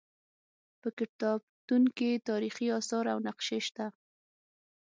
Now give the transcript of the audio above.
په کتابتون کې تاریخي اثار او نقشې شته.